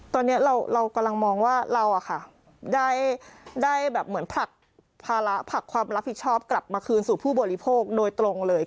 ตอนนี้เรากำลังมองว่าเราได้แบบเหมือนผลักภาระผลักความรับผิดชอบกลับมาคืนสู่ผู้บริโภคโดยตรงเลย